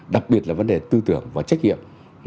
đặc biệt là vấn đề tư tưởng và trách nhiệm